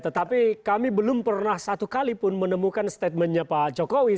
tetapi kami belum pernah satu kali pun menemukan statementnya pak jokowi